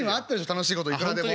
楽しいこといくらでも。